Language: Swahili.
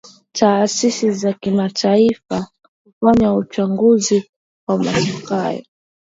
taasisi za kimataifa kufanya uchunguzi wa matokeo